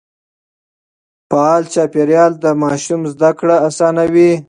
فعال چاپېريال د ماشوم زده کړه آسانوي.